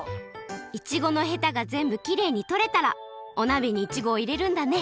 イチゴのヘタがぜんぶきれいにとれたらおなべにイチゴをいれるんだね！